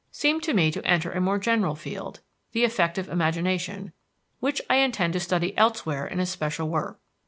seemed to me to enter a more general field the affective imagination which I intend to study elsewhere in a special work.